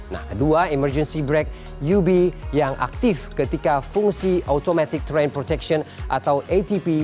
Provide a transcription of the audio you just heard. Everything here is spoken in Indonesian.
nah kedua emergency break ub yang aktif ketika fungsi automatic train protection atau atp